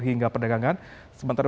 hingga perdagangan sementara